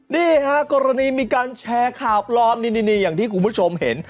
นี่ฮะกรณีมีการแชร์ข่าวปลอมนี่อย่างที่คุณผู้ชมเห็น